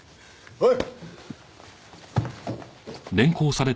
おい！